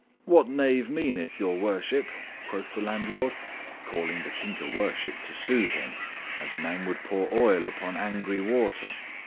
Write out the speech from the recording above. "What knave meaneth Your Worship?" quoth the landlord, calling the Tinker Worship to soothe him, as a man would pour oil upon angry water.